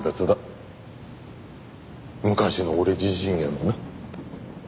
昔の俺自身へのな。